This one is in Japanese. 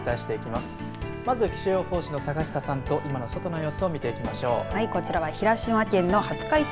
まず気象予報士の坂下さんと今の外の様子を見ていきましょう。